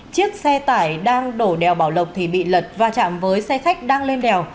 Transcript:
chiếc xe tải đang đổ đèo bảo lộc thì bị lật va chạm với xe khách đang lên đèo